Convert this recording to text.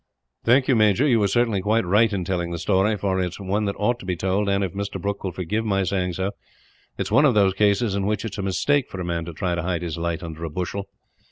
"Thank you, major. You were certainly quite right in telling the story, for it is one that ought to be told and, if Mr. Brooke will forgive my saying so, is one of those cases in which it is a mistake for a man to try to hide his light under a bushel.